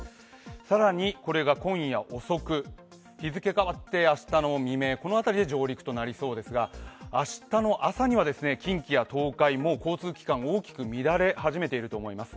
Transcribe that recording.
更に、これが今夜遅く日付変わって明日の未明この辺りで上陸となりそうですが、明日の朝には近畿や東海、もう交通機関が大きく乱れ始めていると思います。